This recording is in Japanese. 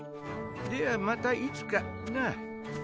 ではまたいつかなっ。